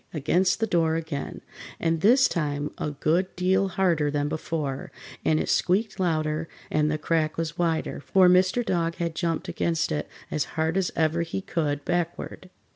against the door again, and this time a good deal harder than before, and it squeaked louder and the crack was wider, for Mr. Dog had jumped against it as hard as ever he could, backward.